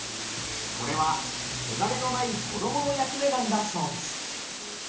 これは汚れのない子供の役目なんだそうです。